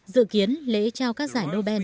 dự kiến lễ trao các giải nobel